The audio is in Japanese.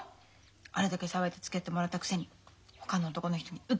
あれだけ騒いでつきあってもらったくせにほかの男の人にウキウキしちゃって。